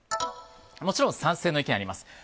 もちろん賛成の意見あります。